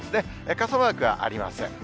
傘マークはありません。